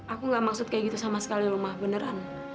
aku gak maksud kayak gitu sama sekali rumah beneran